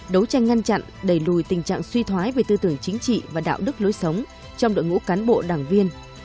đấu tranh ngăn chặn đẩy lùi tình trạng suy thoái về tư tưởng chính trị và đạo đức lối sống trong đội ngũ cán bộ đảng viên